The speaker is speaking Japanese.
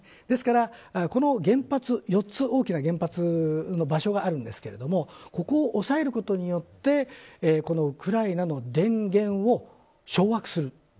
ですから、この原発４つ大きな原発の場所があるんですがここを抑えることによってウクライナの電源を掌握する。